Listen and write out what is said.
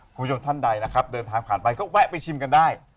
คุณผู้ชมท่านใดนะครับเดินทางผ่านไปก็แวะไปชิมกันได้